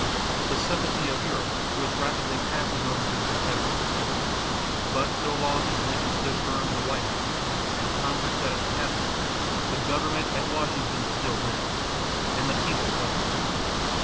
The sympathy of Europe was rapidly passing over to the Confederacy. But so long as Lincoln stood firm in the White House and Congress sat at the capital, "the government at Washington still lived," and the people felt it.